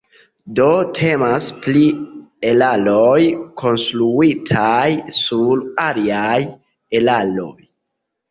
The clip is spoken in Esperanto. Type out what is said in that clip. Do temas pri eraroj konstruitaj sur aliaj eraroj.